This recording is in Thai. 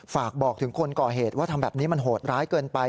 ฝากบอกถึงคนก่อเหตุว่าทำแบบนี้มันโหดร้ายเกินไป